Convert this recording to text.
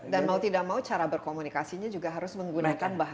dan mau tidak mau cara berkomunikasinya juga harus menggunakan bahasa